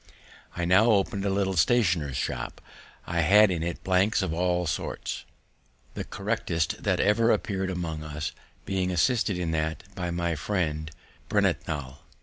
I now open'd a little stationer's shop. I had in it blanks of all sorts, the correctest that ever appear'd among us, being assisted in that by my friend Breintnal.